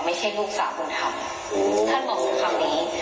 ไม่ใช่ลูกสาวคนทำท่านบอกถึงคำนี้